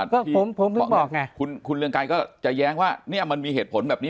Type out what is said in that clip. ก็ผมบอกไงคุณเรืองไกรก็จะแย้งว่าเนี่ยมันมีเหตุผลแบบนี้